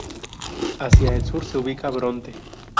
Hacia el sur se ubica Brontë.